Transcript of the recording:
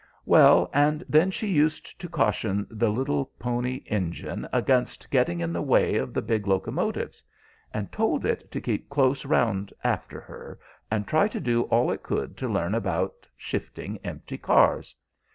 Well, and then she used to caution the little Pony Engine against getting in the way of the big locomotives, and told it to keep close round after her, and try to do all it could to learn about shifting empty cars.